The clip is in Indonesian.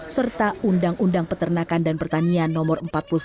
serta undang undang peternakan dan pertanian no empat puluh sembilan